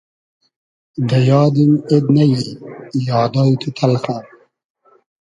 دۂ یادیم اېد نئیی یادای تو تئلخۂ